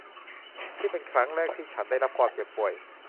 นี่เป็นครั้งแรกที่ฉันได้รับความเจ็บป่วย